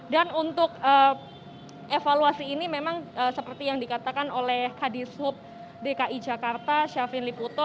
dan untuk evaluasi ini memang seperti yang dikatakan oleh kd sub dki jakarta syafrin liputo